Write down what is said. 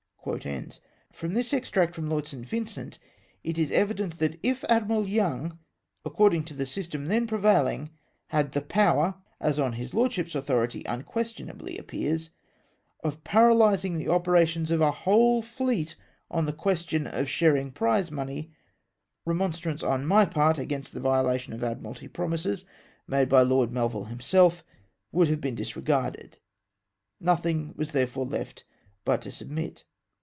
p. 249.) From this extract from Lord St. Vin cent, it is e\ddent that if Admiral Young, according to the system then prevaihng, had the power — as on his Lordship's authority unquestionably appears — of para lysing the operations of a whole fleet, on the question of sharing prize money, remonstrance on my part against the violation of Admiralty promises, made by Lord Melville himself, would have been disregarded. No thino; was therefore left but to submit.